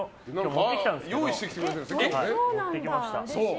持ってきました。